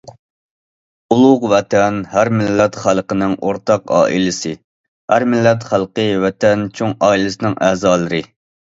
ئۇلۇغ ۋەتەن ھەر مىللەت خەلقىنىڭ ئورتاق ئائىلىسى، ھەر مىللەت خەلقى ۋەتەن چوڭ ئائىلىسىنىڭ ئەزالىرى.